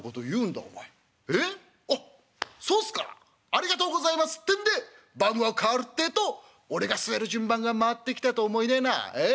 ありがとうございます』ってんで番号代わるってえと俺が据える順番が回ってきたと思いねえなええ？